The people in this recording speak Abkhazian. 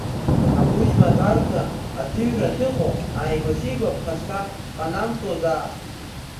Ақәыџьма атәарҭа, аҭыҩра ахьыҟоу ааигәа-сигәа ԥхасҭа ҟанамҵаӡозаап.